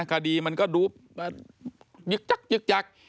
คดีมันก็ดูยึกยักยึกยัก